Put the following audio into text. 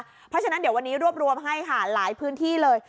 เพราะฉะนั้นเดี๋ยววันนี้รวบรวมให้ค่ะหลายพื้นที่เลย